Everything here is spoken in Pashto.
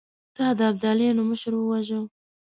تا د ابداليانو مشر وواژه!